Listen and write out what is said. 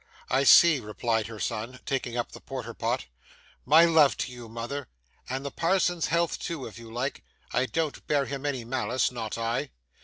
'I see,' replied her son, taking up the porter pot, 'my love to you, mother. And the parson's health too if you like. I don't bear him any malice, not I!